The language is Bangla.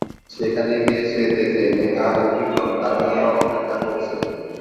সেখানে গিয়ে সে দেখে নেহা ও বিক্রম তার জন্য অপেক্ষা করছে।